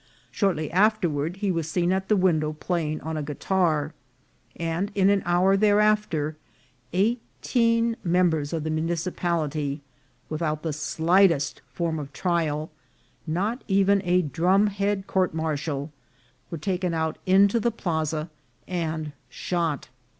Shortly afterward he was seen at the win dow playing on a guitar ; and in an hour thereafter, eighteen members of the municipality, without the slightest form of trial, not even a drum head court mar tial, were taken out into the plaza and shot.